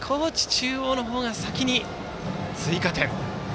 中央が先に追加点。